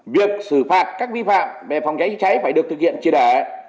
việc xử phạt các vi phạm về phòng cháy chữa cháy phải được thực hiện chia đẻ